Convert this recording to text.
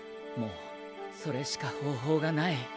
もうそれしか方法がない。